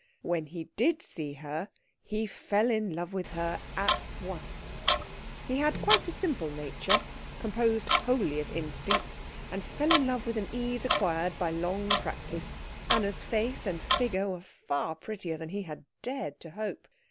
When he did see her, he fell in love with her at once. He had quite a simple nature, composed wholly of instincts, and fell in love with an ease acquired by long practice. Anna's face and figure were far prettier than he had dared to hope.